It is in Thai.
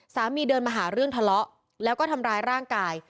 เดินมาหาเรื่องทะเลาะแล้วก็ทำร้ายร่างกาย